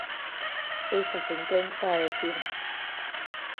Esa sentenza é firme.